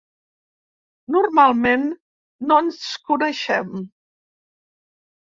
Normalment no ens coneixem.